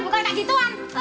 gak boleh kita berada